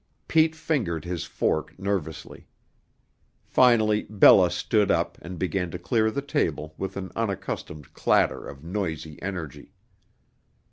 Pete fingered his fork nervously. Finally Bella stood up and began to clear the table with an unaccustomed clatter of noisy energy.